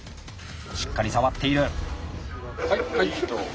しっかり触っている。